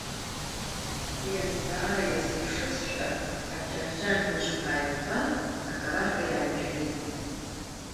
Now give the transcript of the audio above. Уи азҵаара иазыԥшызшәа, аҷаӷьҷаӷь быжьқәа ааиқәтәан, акараҳәа иааимшәеит.